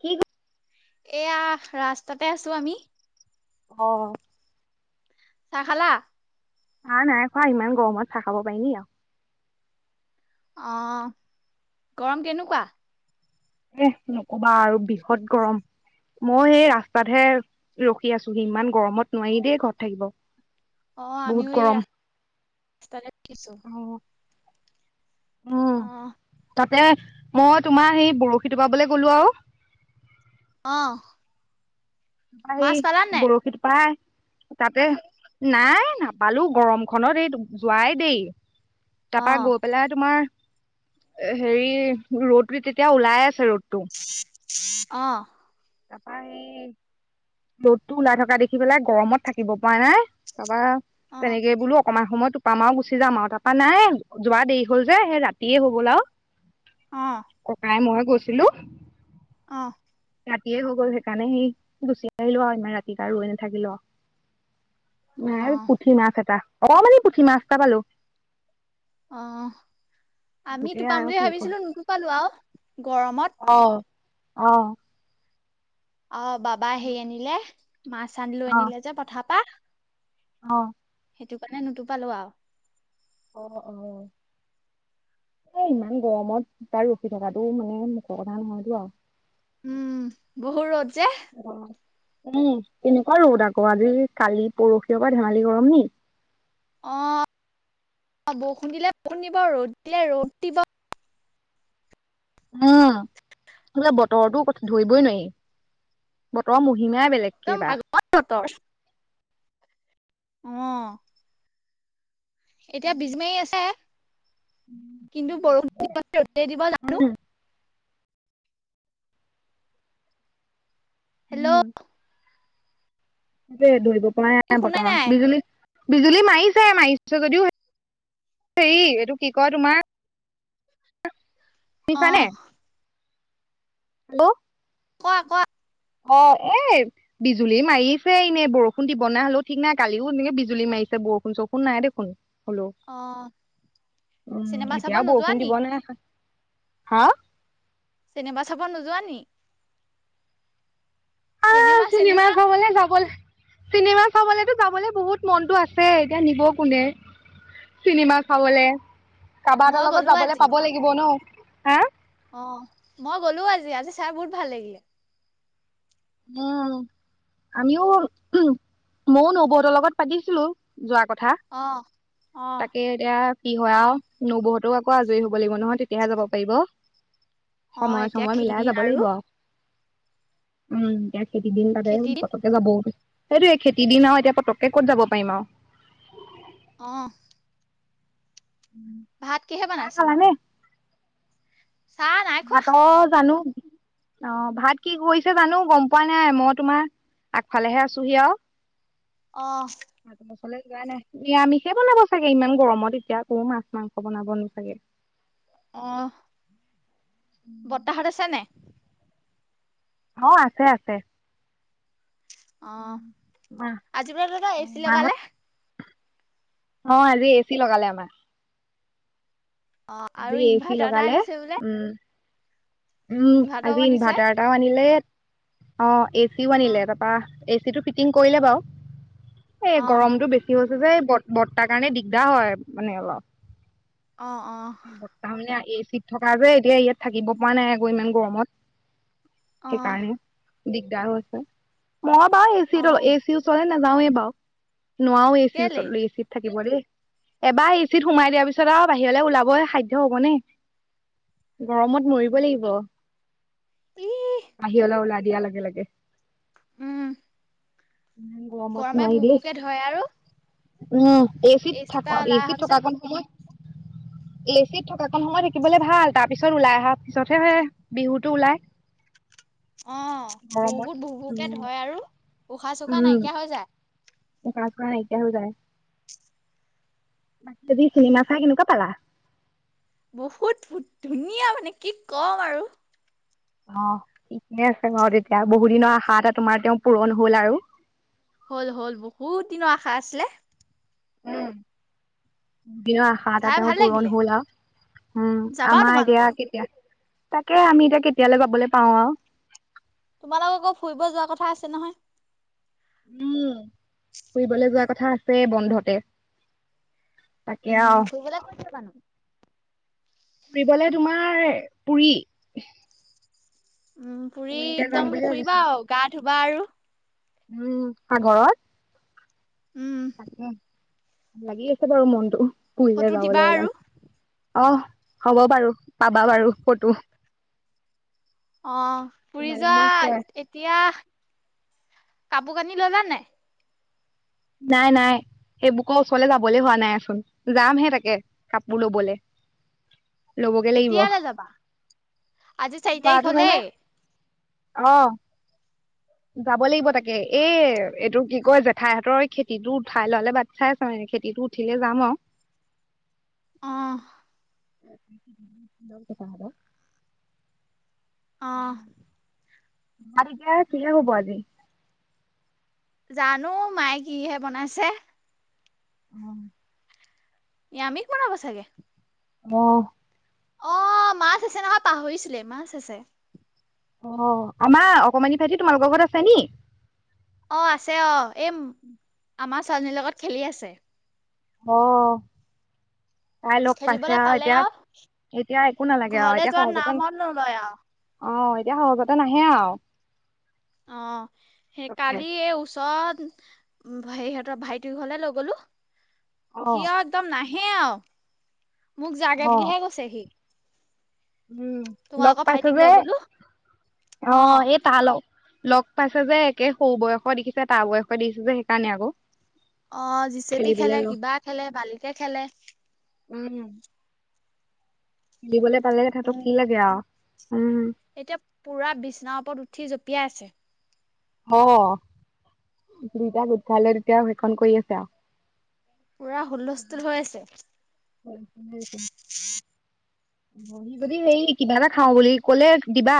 কি ক- এয়া ৰাস্তাতে আছো আমি আহ! [inaudible] চাহ খালা? চাহ নাই খোৱা ইমান গৰমত চাহ খাব পাৰ নি আৰু অ' গৰম কেনেকুৱা? এ নক'বা আৰু বিকত গৰম। মই এই ৰাস্তাতহে ৰখি আছোহি। ইমান গৰমত নোৱাৰি দেই ঘৰত থাকিব। অ' বহুত আমিও এই গৰম। ৰাস্তা-ৰাস্তাতে ৰখি আছোঁ। [inaudible] অ উম, আহ তাতে মই তোমাৰ সেই বৰশী টোপাবলৈ গ'লো আৰু আহ অ সি বৰশী টোপাই তাতে নাই নাপালোঁ গৰমখনত এই যোৱাই দেই। অ তাৰপা, গৈ পেলাই তোমাৰ, হেৰি ৰ'দটো তেতিয়া ওলাই আছে ৰ'দ টো অ'! তাৰপা সেই ৰ'দটো ওলাই থকা দেখি পেলাই গৰমত থাকিব পৰা নাই তাৰাপা অ তেনেকে বোলো অকমান সময় টোপা মাৰোঁ গুচি যাম আও। তা পা নাই, যোৱা দেৰি হ'ল যে, সেই ৰাতিয়ে হৈ গ'ল অ আও। ককাই, মই গৈছিলোঁ। অ'। ৰাতিয়ে হৈ গ'ল সেইকাৰণে সি গুচি আহিলোঁ আৰু ইমান ৰাতিপা ৰৈ নাথাকিলোঁ আৰু। অ নাই পুঠি মাছ এটা, অকমানি পুঠি মাছ এটা পালোঁ। অহ। আমি টোপাম আৰু বুলি কি কয় ভাবিছিলোঁ, নোটোপালো আৰু গৰমত। অ অ'! অ' বাবা হেৰি আনিলে, মাছ আনিলোঁ, অ আনিলে যে পথাৰ পা। অ'। সেইটো কাৰণে নোটোপালো আও। অ' অ'। এ, ইমান গৰমত! তাৰ ৰখি থকাটো মানে মুখৰ কথা নহয়তো আৰু। উম, বহুত ৰ'দ যে। অ উম, কেনেকুৱা ৰ'দ আকৌ। আজি, কালি পৰহি পৰা ধেমালি গৰম নি! অ', বৰষুণ দিলে, বৰষুণ দিব, ৰ'দ দিলে, ৰ'দ দিব। উম, বোলে বতৰতো ধৰিবই নোৱাৰি, বতৰ ম মহিমাই বেলেগ একদম যেনিবা। ভাগৰ বতৰ অ। এতিয়া বীজ মাৰী আছে। কিন্তু বৰষুণ দিবনে ৰ'দে দিব জানোঁ? হেল্ল'! সেইযে, ধৰিব পৰা নাই বৰ্তমান। বিজুলী বিজুলী মাৰিছে, মাৰিছে যদিও হেৰি, এইটো কি কয় তোমাৰ অহ। আগ কোৱা, কোৱা? অ' এই বিজুলী মাৰিছে এনেই বৰষুণ দিব নাই হ'লেও ঠিক নাই, কালিও তেনেকে বিজুলী মাৰি চে বৰষুণ, চৰষুণ নাই দেখোন! হল্লো' অ চিনেমা উম, চাব এতিয়া নোযোৱা বৰষুণ নি দিব নে? হা! চিনেমা চাব নোযোৱা নি? আ চিনেমা চাবলে যাব, চিনেমা চাবলেতো যাবলে বহুত মনতো আছে, এতিয়া নিব কোনে? চিনেমা চাবলে, কাৰবা মই এটাৰ লগত গ'লো যাবলে আজি পাব লাগিব ন' হা! অ মই গ'লো আজি। আজি চাই বহুত ভাল লাগিলে। উম, আমিও উহুম মইয়ো নবৌহঁতৰ লগত পাতিছিলোঁ যোৱা ক থা, অ অ তাকে এতিয়া কি হয় আও। নবৌ হঁতেও আকৌ আজৰি হ'ব লাগিব নহয়, তেতিয়াহে যাব পাৰিব। অ সময় এতিয়া সময় খেতি মিলাই দিন যাব লাগিব আৰু। উম, এয়া খেতি দিন তাতে, খেতি দিন পতককে যাবও পি- সেইটোৱে, খেতি দিন আৰু এতিয়া পতককে ক'ত যাব পাৰিম আৰু। অহ। ভাত কিহে চাহ বনাইছে ব? খালানে? চাহ ভাতৰ জানো? অ' ভাত কি কৰিছে জানো গম পোৱা নাই, মই তোমাৰ আগফালেহে আছোহি আও। অহ। লে যোৱা নাই নিৰামিষে বনাব চাগে ইমান গৰমত এতিয়া আকো মাছ মাংস বনাব নো চাগে। অহ বৰ্তাহত আছে নাই? অ আছে আছে। অ' মা আজি পৰা লগত এ চি মাহত লগালে। অ' আজি এ চি লগালে আমাৰ। অ' আজি আৰু এ চি ইনভাৰ্টাৰ এটা লগালে আনিছে বোলে? উম উম ইনভাৰ্টাৰও আজি আনিছে ইনভাৰ্টাৰ এটাও আনিলে। অ' এ চিও অ আনিলে তাৰপা এচি টো ফিটিং কৰিলে বাও, এই অ গৰমতটো বেছি যে বৰ্তাৰ কাৰণে দিগদাৰ হয় মানে অলপ। অ'। অ বৰ্তাহানে এ চিত থকা যে। এতিয়া ইয়াত থাকিব পৰা নাই আকৌ ইমান গৰমত। অ সেইকাৰণে দিগদাৰ হৈছে, মই বাৰু এ চিলো অ', এ চিও চলে ন নাযাওে বাৰু নোৱাও এ চিৰ ওচৰ কেলে এ চিত থাকে থিব দেই এবাৰ ইচিত সোমাই দিয়াৰ পিছত আও বাহিৰলৈ ওলাবই সাধ্য হ'বনে গৰমত মৰিব লাগিব। ই বহিৰলে ওলাই দিয়া লগে লগে। উম। ইমান গৰমত গৰমে নোৱাৰি ভু দেই ভোকে ধৰে আৰু। উম এচিত এচি থাক পৰা ওলাই এচিত অহাৰ থকা পিছত কণ সময় এ চিত থকা কন সময় থাকিবলৈ ভাল তাৰপিছত ওলাই আহা পিছতহে হয় বিহুটো ওলাই। [inaudible] অ গৰমত বহুত ভু ভুকে উম ধৰে আৰু উশাহ চোখাহ উম নাইকিয়া হৈ যায়। উশাহ চোখাহ নাইকিয়া হৈ যায়। আজ চিনেমা চাই কেনেকোৱা পালা? বহুত ধুনীয়া মানে কি কম আৰু। অ ঠিকেই আছে বাৰু তেতিয়া বহুত দিনৰ আশা এটা তোমাৰ তেওঁ পূৰণ হল আৰু। হ'ল হ'ল বহুত দিনৰ আশা আছিলে। উম। দিনৰ আশা এটা চাই তেওঁ ভাল পূৰণ লাগিলে। হ'ল আও। উম যাবা আমাৰ তোমালোকৰ। এতিয়া কেতিয়া তাকে আমি এতিয়া কেতিয়ালে যাবলে পাওঁ আও। তোমালোকৰ আকৌ ফুৰিব যোৱাৰ কথা আছে নহয়? উম ফুৰিবলে যোৱা কথা আছে বন্ধতে। তাকে আৰু উম্ ফুৰিবলে কত যাবানো? ফুৰিবলে তোমাৰ পুৰি। উম পুৰি পুৰীলে যাম একদম বুলি ফুৰিবা ভাবিছো আও গা ধুবা আৰু। উম সাগৰত। উম, তাকে ভাল লাগি আছে বাৰু মনটো পুৰিলে ফটো দিবা যাবলে আৰু ওলাই। অহ হ'ব বাৰু পাবা বাৰু ফটো। অ পুৰি তোমালে যোৱা মই শ্বেয়াৰ এতিয়া কাপোৰ কানি ললা নাই? নাই নাই সেইবুকৰ ওচৰলে যাবলে হোৱা নাইচোন যামহে তাকে কাপোৰ লবলে। ল'বগে লাগিব কেতিয়ালে যাবা? আজি চাৰি তাৰিখ হলেই! অহ। যাব লাগিব তাকে এই এইটো কি কয় জেঠাই হঁতৰ খেতিটো উঠাই ললে বাট চাই আছো খেতিতো উঠিলে যাম আও। অ [unintelligible] অ'। আজি [unintelligible] কিহে হব আজি? জানো মায়ে কিহে বনাইছে? হ নিৰামিষ বনাব চাগে। অহ। অ মাছ আছে নহয় পাহৰিছিলোৱে। মাছ আছে। অ' আমাৰ অকমানি ভাইটি তোমালোক ঘৰত আছে নি? অ' আছে অ এই আমাৰ ছোৱালজনীৰ লগত খেলি আছে। অ'। তাই লগ পাইছে খেলিবলৈ আৰু পালে এতিয়া, এতিয়া একো নালাগে আৰু ঘৰলে এতিয়া যোৱা সহজতে ন নামত নলয় [inaudible] এতিয়া সহজতে নাহে আও। অ' সেই কালি এই ওচৰত হেৰিহঁতৰ ভাইটিৰ ঘৰলে লৈ গলোঁ অ সিও একদম না সেই আও, মোক যাগে অ বুলিহে কৈছে সি। উম, লগ তোমালোকৰ পাইছ ভাইটিক লৈ যে গ'লো। অ এই তা ল লগ পাইছে যে একে সৌ বয়সৰ দেখিছে তাৰ বয়সৰ দেখিছে যে সেইকাৰণে আকৌ। অ' জিচেপি খেলিবলৈ খেলে, ল কিবা খেলে, বালিকে খেলে। উম। খেলিবলে পালে তাহাতক উম, কি লাগে আও। এতিয়া পুৰা বিচনাৰ ওপৰত উঠি জঁপিয়াই আছে। অ' দুইটা গোট খাই লৈ তেতিয়া সেইখন কৰি আছে আও। পুৰা হুলস্থুল হৈ আছে। [unintelligible] [unintelligible] কিবা এটা খাওঁ বুলি কলে দিবা।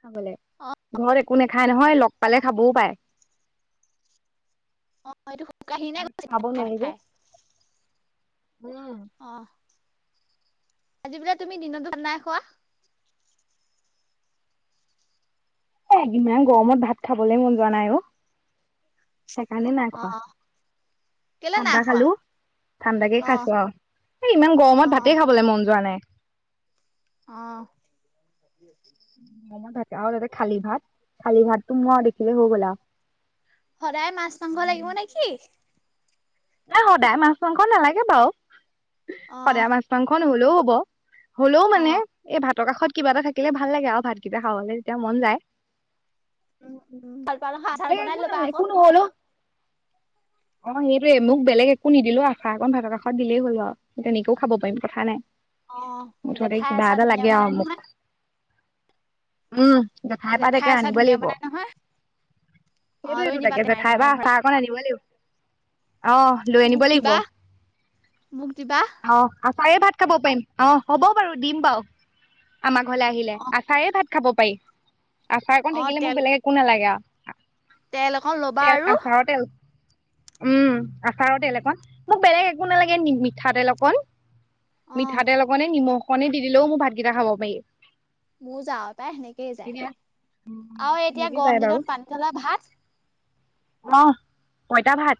খাবলে, অ', ঘৰত একো নেখায় নহয়। লগ পালে খাবও পাৰে। আমাৰ ইটো শুকাই খিনাই গৈছে নাখাই নাখাই। উম। আজি বোলে তুমি দিনতো ভাত নাই খোৱা? এ ইমান গৰমত ভাত খাবলে মন যোৱা নাই অ। সেইকাৰণে নাই খোৱা। অ', কেলে ঠাণ্ডা নাই খোৱা? খালো ঠাণ্ডাকে অ', খাইছো আৰু এই ইমান গৰমত ভাতেই খাবলে মন যোৱা নাই। অহ। [unintelligible] আৰু তাতে খালী ভাত। খালী ভাতটো মোৰ আৰু দেখিলে হৈ গ'ল আ সদায় মাছ-মাংস লাগিব নে কি? নাই সদায় মাছ-মাংস নেলাগে বাৰু। অ', সদায় মাছ-মাংস নহলেও হ'ব। হলেও মানে অ', এই ভাতৰ কাষত কিবা এটা থাকিলে ভাল লাগে আৰু। ভাতকিটা খাবলে তেতিয়া মন যায়। উম, উম, কলপাতৰ আচাৰ [unintelligible] বনাই ল'বা আকৌ একো নহলো। [unintelligible] টোৱে, মোক বেলেগ একো নিদিলেও আছা অকন ভাতৰ কাষত দিলেই হল অ। তেনেকেও খাব পাৰিম কথা নাই। অ', মুঠতে জেঠাই কিবা আচাৰ এটা ধুনীয়া লাগে আৰু বনাই মোক, নহয় উম। জেঠাইৰ পৰা জেঠাই তাকে আচাৰ আনিবই ধুনীয়া লাগিব। বনাই নহয় সেইটো অ', লৈ এইটো আনিবা তাকে টেমাই জেঠাইৰ পা টেমাই আছা ভৰাই অকণ আনিব লাগিব। অহ লৈ আনিব মোক লাগিব, দিবা মোক দিবা অহ। আচাৰে ভাত খাব পাৰিম। অহ, হ'ব বাৰু দিম বাৰু আমাৰ ঘৰলে আহিলে, অ', আচাৰে ভাত খাব পাৰি। আচাৰ কন অ', থাকিলে মোক তেল বেলেগ একো নালাগে আও। তেল অকন ল'বা আৰু তেল উম আচাৰৰ তেল একণ, মোক বেলেগ একো নেলাগে। মিঠাতেল অকণ অ', মিঠাতেল অকণে, নিমখ কণে দি দিলেও মো ভাতকিটা খাব পাৰি। মৌ যাওঁ, তাই হেনেকেই যাই। এতিয়া আও এতিয়া গৰম দিনত পানী ধলা ভাত। আহ পঁইতাভাত।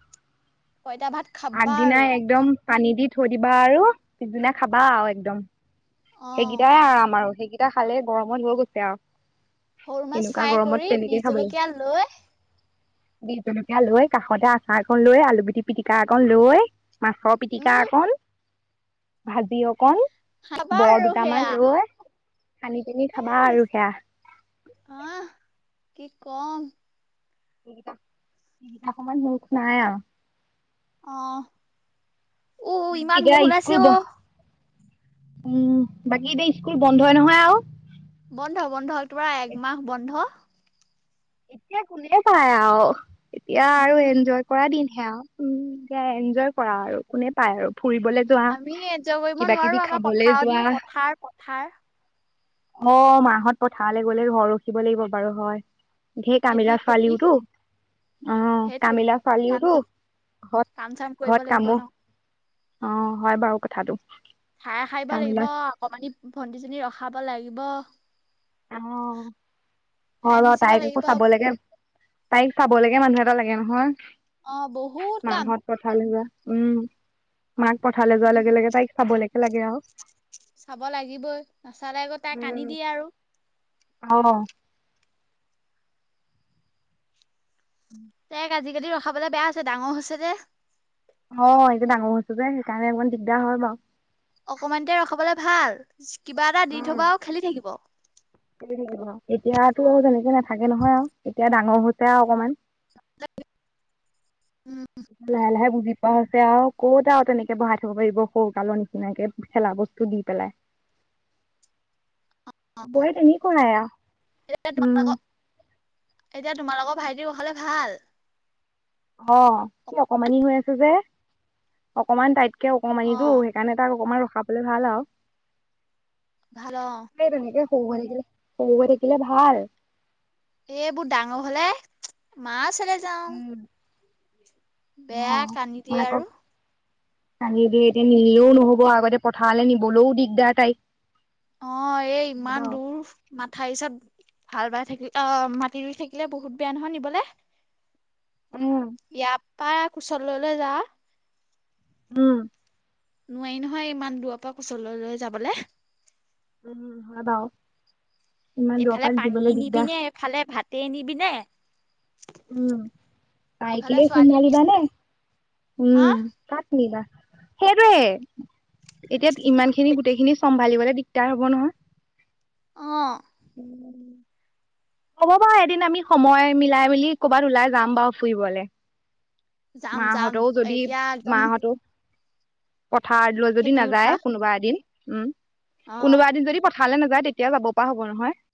পইতা ভাত খাবা আৰু আগদিনাই একদম পানী দি থৈ দিবা আৰু পিছদিনা খাবা আও একদম। অ সেইকেইটাই আৰাম আৰু সেই কেইটা খালে গৰমত হৈ গৈছে আৱ। সৰু মাছ ফ্ৰাই কৰি বি লাগিব জলকীয়া লৈ বিহ জলকীয়া লৈ কাষতে আচাৰ কণ লৈ, আলু পিটি পিটিকা একণ লৈ মাছৰ উম পিটিকা অকণ, ভাজি অকণ খাবা বৰ আৰু সেয়া দুটামান লৈ সানি পীনী খাবা এ, আৰু বেছি সেয়া। আহ কি কম? ইকিটা ইকিটা সমান সুখ নাই আও। অহ। না কি এতিয়া স্কুল বন উম, বাকী এতিয়া স্কুল বন্ধই নহয় আৰু। বন্ধ, বন্ধ তোমাৰ একমাহ বন্ধ। এতিয়া কোনে চায় আও। এতিয়া আৰু উম এনজয় কৰা দিন। সেয়া উম সেয়া এনজয় কৰা আৰু কোনে পায় আৰু। ফুৰিবলে যোৱা, আমি এনজয় কৰিব কিবা নোৱাৰো কিবি আমাৰ খাবলে পথাৰৰ দিন যোৱা। পথাৰ পথাৰ অ' মাহত পথাৰলৈ গ'লে ঘৰ ৰখিব লাগিব বাৰু হয়। ধেই খেতি কামিলা ফালি খেতি উঠো। অ' সেইটোৱে কামিলা কাম ছোৱালীওটো। চাম ঘত কাম চাম কৰিব ঘত লাগিব কামো। ন অ' হয় বাৰু কথাটো। ঠাই হ'ব লাগিব, কামিলা অকমানি ভন্টি জনী ৰখাব লাগিব। অ' অ' ঠাই হয় বাৰু। মচিব তাইক একো লাগিব চাব লেকে তাইক চাবলেকে মানুহ এটা লাগে নহয়। অ বহুত মা কাম হত পথাৰলৈ যোৱা। উম। মাক পথাৰলৈ যোৱাৰ উম লগে লগে তাইক চাবলেকে লাগে আৰু। চাব লাগিবই, নাচালে আকৌ তাই কান্দি দিয়ে আৰু। অ'। তাইক আজিকালি ৰখাবলে বেয়া হৈছে। ডাঙৰ হৈছে যে। অ' এইটো ডাঙৰ হৈছো যে সেইকাৰণে অকমান দিগদাৰ হয় বাৰু। অকমানিতে ৰখাবলে ভাল। কিবা এটা দি উম থবাও খেলি থাকিব। খেলি থাকিব। এতিয়াতো তেনেকে নাথাকে নহয় আও এতিয়া ডাঙৰ হৈছে আও অকমান। [unintelligible] লাহে লাহে বুজি পোৱা হৈছে আও ক'ত আও তেনেকে বহাই থব পাইব সৰুকালৰ নিচিনাকে খেলা বস্তু দি পেলাই। [unintelligible] বহেতহি কৰাই আৱ। এতিয়া উম। তোমালোকৰ এতিয়া তোমালোকৰ ভাইটিৰ কুশলে ভাল? অ' সি অকমানি হৈ আছে যে। অকমান তাইত কে অ অকণমানিতো সেইকাণে তাক অকমান ৰখাবলে ভাল আও। ভাল অ'। সৰু হৈ থাকিলে, সৰু থাকিলে ভাল। এবো ডাঙ হলে, মা চলে যাও। উম বেয়া অ', কান্দি দিয়ে মাকক আৰু কান্দি দিয়ে এতিয়া নিনিলেও নহ'ব। আগতে পথাৰলে নিবলেও দিগদাৰ তাইক। অ' এই হয় ইমান বাৰু দূৰ। মাথা এইচাত হাল বাই থাকিল অ' মাটি ৰুই থাকিলে বহুত বেয়া নহয় নিবলে। উম, ইয়াৰ পৰা কোঁচত লৈ লৈ যা উম। নোৱাৰি নহয়। ইমান দূৰৰ পৰা কোঁচত লৈ লৈ যাবলৈ। উম হয় বাৰু। ইমান দূৰৰ এইফালে পৰা পানীয়ে দিবলৈ দিগদাৰ নিবিনে, এইফালে ভাতে নিবিনে, উম তাই এইফালে কেই ছোৱালীয়ে নিছে চম্ভালিবিনে হা উম কাক নিবা সেইটোৱে, এতিয়া ইমান খিনি গোটেইখিনি চম্ভালিবলে দিগদাৰ হব নহয়। অ উম। হ'ব বাৰু এদিন আমি সময় মিলাই মেলি কৰ'বাত ওলাই যাম বাৰু ফুৰিবলে। যাম যাম, মাহঁতেও যদি এতিয়া একদম। পথাৰ লৈ যদি খেতি উঠা নাযায় কোনোবা এদিন উম অ কোনোবা এদিন যদি প ঠালে নাযায়। তেতিয়া যাব পৰা হ'ব নহয়।